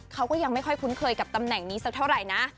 เขาก็ยังไม่ค่อยคุ้นเคยกับตำแหน่งนี้สักเท่าไหร่นะ